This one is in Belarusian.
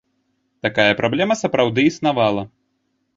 Такая праблема сапраўды існавала.